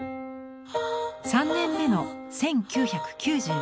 ３年目の１９９７年